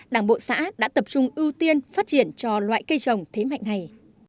đảng bộ xã đã tập trung ưu tiên phát triển cho loại cây trồng thế mạnh này